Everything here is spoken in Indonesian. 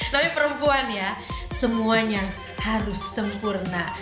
tapi perempuan ya semuanya harus sempurna